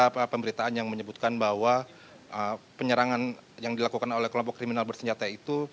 ada pemberitaan yang menyebutkan bahwa penyerangan yang dilakukan oleh kelompok kriminal bersenjata itu